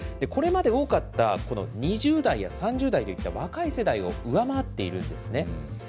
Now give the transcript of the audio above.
これまで多かったこの２０代や３０代といった若い世代を上回っているんですね。